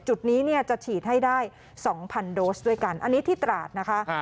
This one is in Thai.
จุดนี้เนี่ยจะฉีดให้ได้๒๐๐โดสด้วยกันอันนี้ที่ตราดนะคะ